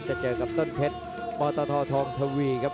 จะเจอกับต้นเพชรปธททวี